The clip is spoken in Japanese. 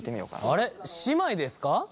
あれ姉妹ですか？